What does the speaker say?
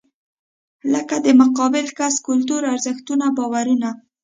لکه د مقابل کس کلتور، ارزښتونه، باورونه .